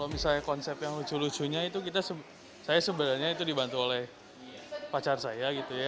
misalnya konsep yang lucu lucunya itu kita saya sebenarnya itu dibantu oleh pacar saya gitu ya